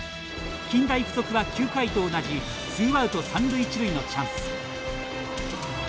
近大付属は９回と同じツーアウト、三塁一塁のチャンス。